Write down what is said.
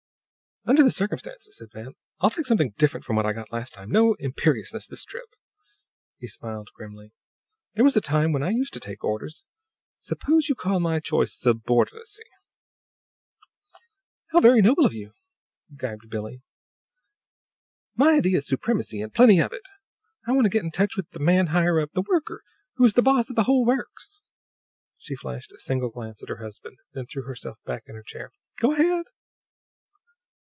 "Under the circumstances," said Van, "I'll take something different from what I got last time. No imperiousness this trip." He smiled grimly. "There was a time when I used to take orders. Suppose you call my choice 'subordinacy.'" "How very noble of you!" gibed Billie. "My idea is supremacy, and plenty of it! I want to get in touch with the man higher up the worker who is boss of the whole works!" She flashed a single glance at her husband, then threw herself back in her chair. "Go ahead!"